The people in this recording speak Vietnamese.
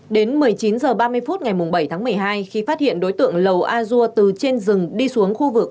đến một mươi chín h ba mươi phút ngày bảy tháng một mươi hai khi phát hiện đối tượng lầu a dua từ trên rừng đi xuống khu vực